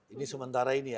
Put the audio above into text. ini sementara ini ya